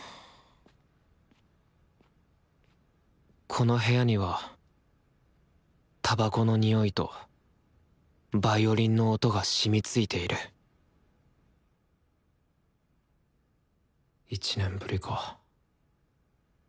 この部屋にはたばこの臭いとヴァイオリンの音が染みついている１年ぶりか。